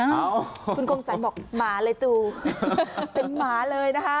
คุณคงสรรบอกหมาเลยตูเป็นหมาเลยนะคะ